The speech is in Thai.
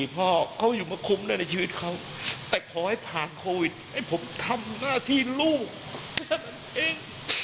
พ่อเขาอยู่มาคุ้มด้วยในชีวิตเขาแต่ขอให้ผ่านโควิดให้ผมทำหน้าที่ลูกเอง